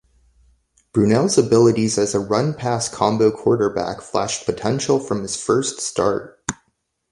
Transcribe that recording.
Brunell's abilities as a run-pass combo quarterback flashed potential from his first start.